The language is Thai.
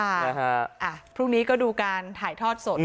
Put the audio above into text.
นะฮะอ่ะพรุ่งนี้ก็ดูการถ่ายทอดสด